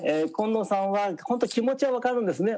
紺野さんは本当気持ちはわかるんですね。